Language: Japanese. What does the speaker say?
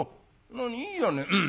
「何いいじゃない。